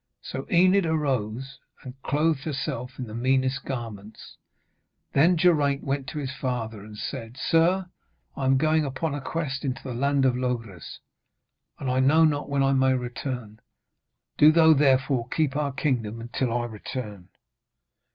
So Enid arose and clothed herself in her meanest garments. Then Geraint went to his father and said, 'Sir, I am going upon a quest into the land of Logres, and I do not know when I may return. Do thou therefore keep our kingdom till I return.'